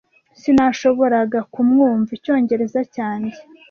Sinashoboraga kumwumva icyongereza cyanjye.